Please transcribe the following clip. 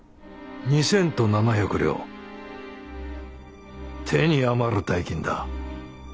２千と７百両手に余る大金だ。